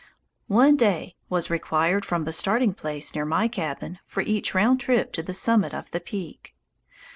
One day was required from the starting place near my cabin for each round trip to the summit of the peak.